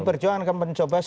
pdi perjuangan akan mencoba